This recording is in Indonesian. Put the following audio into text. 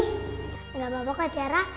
gak apa apa kak tiara